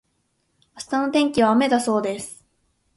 明日の天気は雨だそうです。